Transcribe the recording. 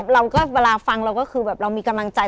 เวลาฟังเราก็คือแบบเรามีกำลังใจ